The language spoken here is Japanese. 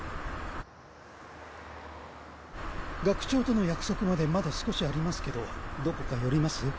学長との約束までまだ少しありますけどどこか寄ります？